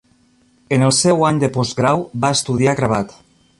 En el seu any de postgrau va estudiar gravat.